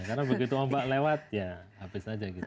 karena begitu ombak lewat ya habis saja gitu